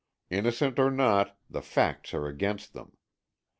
Innocent or not, the facts are against them.